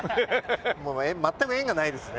もう全く縁がないですね。